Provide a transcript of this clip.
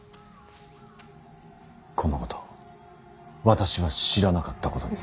このこと私は知らなかったことにする。